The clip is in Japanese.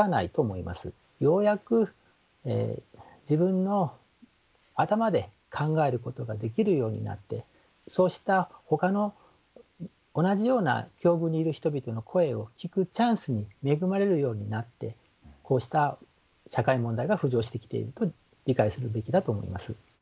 ようやく自分の頭で考えることができるようになってそうしたほかの同じような境遇にいる人々の声を聞くチャンスに恵まれるようになってこうした社会問題が浮上してきていると理解するべきだと思います。